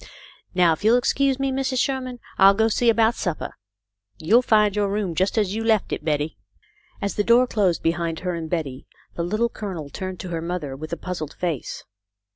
Now, if you'll excuse me, Mrs. Sher man, I'll go and see about supper. You'll find your room just as you left it, Betty." As the door closed behind her and Betty, the Little Colonel turned to her mother with a puzzled face.